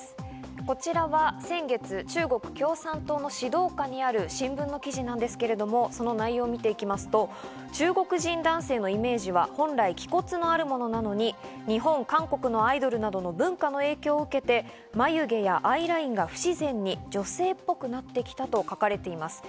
こちらは先月、中国共産党の指導下にある新聞の記事なんですけれども、その内容を見ていきますと、中国人男性のイメージは本来気骨のあるものなのに、日本、韓国のアイドルなどによる文化の影響を受けて、眉毛やアイラインが不自然に女性っぽくなってきたと書かれています。